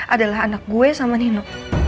adalah anak gue sama nino